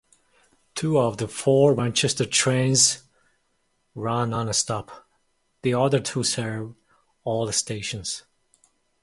Two of the four Manchester trains run non-stop; the other two serve all stations.